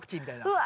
うわ。